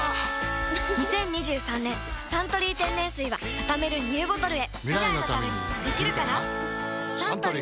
２０２３年「サントリー天然水」はたためるＮＥＷボトルへサントリー！